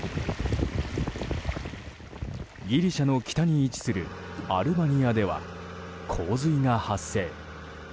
ギリシャの北に位置するアルバニアでは洪水が発生。